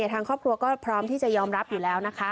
ทางครอบครัวก็พร้อมที่จะยอมรับอยู่แล้วนะคะ